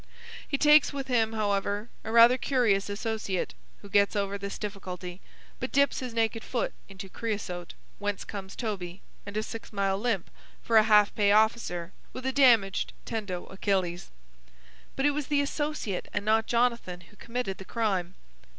He takes with him, however, a rather curious associate, who gets over this difficulty, but dips his naked foot into creasote, whence comes Toby, and a six mile limp for a half pay officer with a damaged tendo Achillis." "But it was the associate, and not Jonathan, who committed the crime."